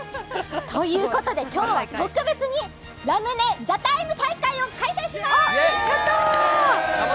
ということで、今日は特別にラムネＴＨＥＴＩＭＥ，大会を開催します。